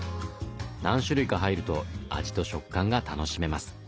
何種類か入ると味と食感が楽しめます。